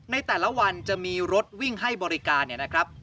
ในแต่ละวันจะมีรถวิ่งให้บริการเนี่ยนะครับ